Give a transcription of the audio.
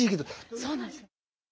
そうなんです。